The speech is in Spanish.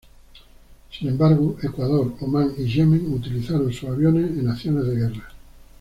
Sin embargo, Ecuador, Omán y Yemen utilizaron sus aviones en acciones de guerra.